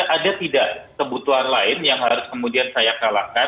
ada tidak kebutuhan lain yang harus kemudian saya kalahkan